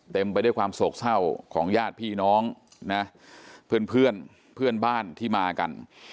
ไปด้วยความโศกเศร้าของญาติพี่น้องนะเพื่อนเพื่อนบ้านที่มากัน